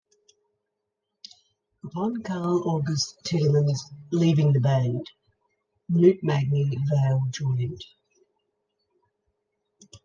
Upon Carl August Tidemann's leaving the band, Knut Magne Valle joined.